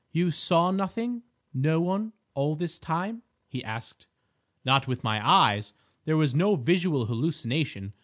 "You saw nothing—no one—all this time?" he asked. "Not with my eyes. There was no visual hallucination.